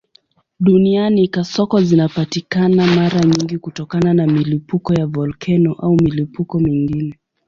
Duniani kasoko zinapatikana mara nyingi kutokana na milipuko ya volkeno au milipuko mingine.